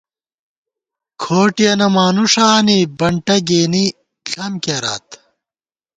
کھوٹِیَنہ مانُوݭہ آنی ، بنٹہ گېنی ݪم کېرات